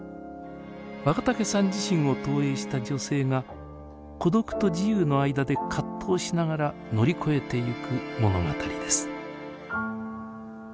若竹さん自身を投影した女性が孤独と自由の間で葛藤しながら乗り越えていく物語です。